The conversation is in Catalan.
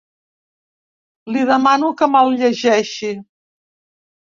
Li demano que me’l llegeixi.